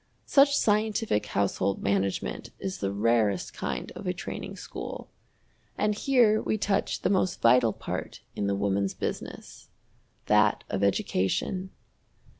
Such scientific household management is the rarest kind of a training school. And here we touch the most vital part in the Woman's Business that of education.